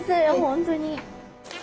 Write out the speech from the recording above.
本当に！